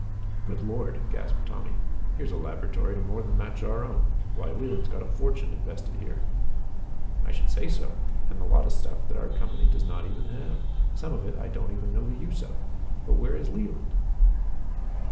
"Good Lord!" gasped Tommy. "Here's a laboratory to more than match our own. Why, Leland's got a fortune invested here!" "I should say so. And a lot of stuff that our company does not even have. Some of it I don't know even the use of. But where is Leland?"